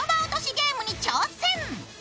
ゲームに挑戦！